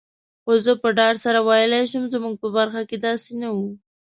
خو زه په ډاډ سره ویلای شم، زموږ په برخه کي داسي نه وو.